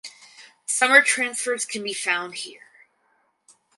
Summer transfers can be found here.